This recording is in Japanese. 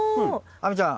亜美ちゃん。